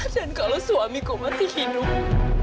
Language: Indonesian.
dan kalau suamiku masih hidup